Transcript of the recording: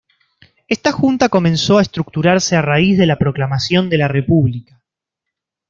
Esta junta comenzó a estructurarse a raíz de la proclamación de la República.